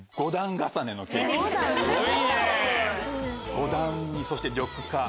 五段にそして緑化。